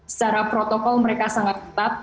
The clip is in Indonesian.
secara protokol mereka sangat ketat